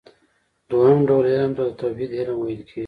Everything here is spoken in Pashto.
دوهم ډول علم ته د توحيد علم ويل کېږي .